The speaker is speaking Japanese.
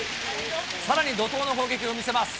さらに怒とうの攻撃を見せます。